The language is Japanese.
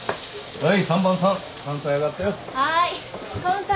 はい。